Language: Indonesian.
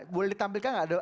boleh ditampilkan nggak